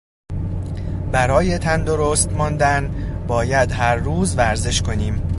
برای تندرست ماندن باید هر روز ورزش کنیم.